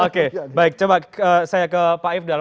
oke baik coba saya ke pak ifdal